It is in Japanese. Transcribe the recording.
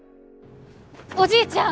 おじいちゃん！